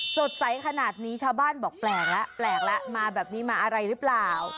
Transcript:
สดใสขนาดนี้ชาวบ้านบอกแปลกแล้วแปลกแล้วมาแบบนี้มาอะไรหรือเปล่า